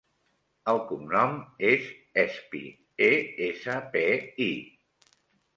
El cognom és Espi: e, essa, pe, i.